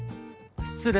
失礼。